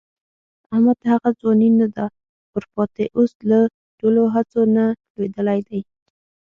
احمد ته هغه ځواني نه ده ورپاتې، اوس له ټولو هڅو نه لوېدلی دی.